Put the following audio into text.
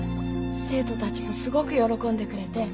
生徒たちもすごく喜んでくれて。